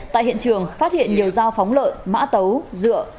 tại hiện trường phát hiện nhiều dao phóng lợi mã tấu dựa